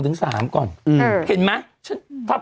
โทษทีน้องโทษทีน้อง